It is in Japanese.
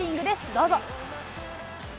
どうぞ。